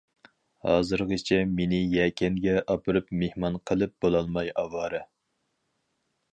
ھازىرغىچە مېنى يەكەنگە ئاپىرىپ مېھمان قىلىپ بولالماي ئاۋارە.